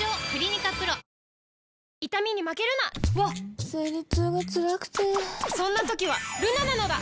わっ生理痛がつらくてそんな時はルナなのだ！